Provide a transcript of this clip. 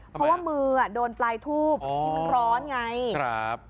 เพราะว่ามือโดนปลายทูปร้อนไงครับ